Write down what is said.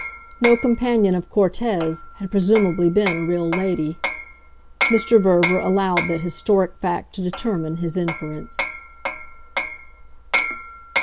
No companion of Cortez had presumably been a real lady: Mr. Verver allowed that historic fact to determine his inference.